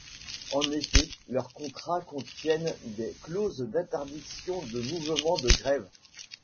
En effet, leurs contrats contiennent des clauses d'interdictions de mouvements de grève.